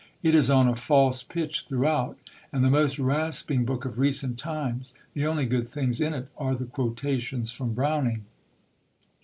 It is on a false pitch throughout, and the most rasping book of recent times. The only good things in it are the quotations from Browning.